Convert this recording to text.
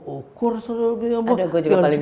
ukur suruh ada gue juga paling